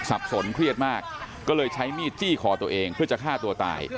สนเครียดมากก็เลยใช้มีดจี้คอตัวเองเพื่อจะฆ่าตัวตาย